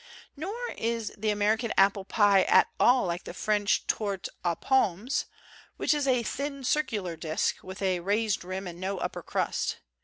Nor is the Ameri can apple pie at all like the French tourte aux pommes which is a thin circular disk, with a rd rim and no upper crust.